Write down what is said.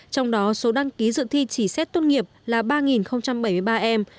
trong đó số đăng ký dự thi chỉ xét tốt nghiệp là ba bảy mươi ba em